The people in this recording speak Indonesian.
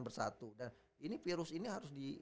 bersatu dan ini virus ini harus